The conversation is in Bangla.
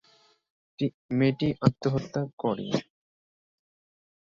মেয়েটি আত্মহত্যা করে।